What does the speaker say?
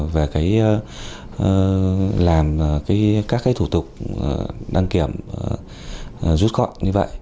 về làm các cái thủ tục đăng kiểm rút gọn như vậy